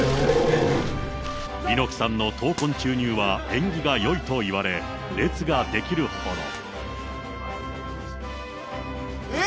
猪木さんの闘魂注入は縁起がよいといわれ、列が出来るほど。